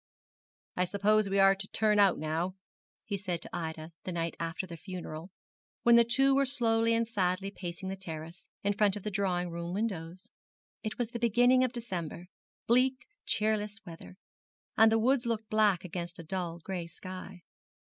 'I suppose we are to turn out now,' he said to Ida the night after the funeral, when they two were slowly and sadly pacing the terrace, in front of the drawing room windows. It was the beginning of December bleak, cheerless weather and the woods looked black against a dull gray sky.